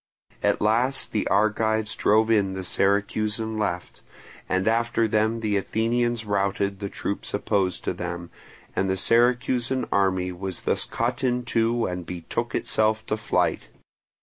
At last the Argives drove in the Syracusan left, and after them the Athenians routed the troops opposed to them, and the Syracusan army was thus cut in two and betook itself to flight.